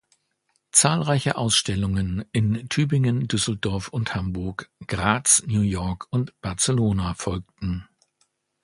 Zahlreiche Ausstellungen in Tübingen, Düsseldorf und Hamburg, Graz, New York und Barcelona folgten.